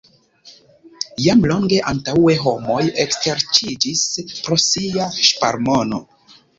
Jam longe antaŭe homoj ekstreĉiĝis pro sia ŝparmono.